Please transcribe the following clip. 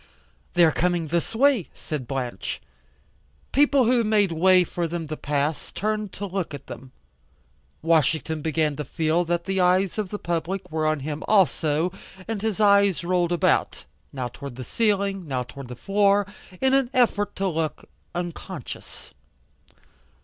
"They are coming this way," said Blanche. People who made way for them to pass, turned to look at them. Washington began to feel that the eyes of the public were on him also, and his eyes rolled about, now towards the ceiling, now towards the floor, in an effort to look unconscious.